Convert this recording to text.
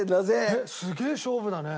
えっすげえ勝負だね。